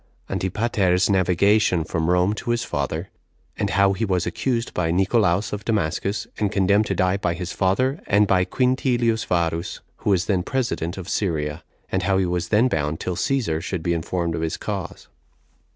Antipater's Navigation From Rome To His Father; And How He Was Accused By Nicolaus Of Damascus And Condemned To Die By His Father, And By Quintilius Varus, Who Was Then President Of Syria; And How He Was Then Bound Till Cæsar Should Be Informed Of His Cause.